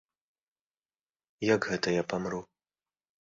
Як гэта я памру?